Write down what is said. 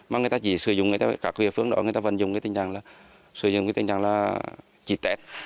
mà người ta chỉ sử dụng các quyền phương đó người ta vẫn dùng cái tình trạng là chỉ tết